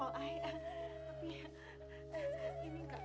tapi ini gak kuat tinggi bener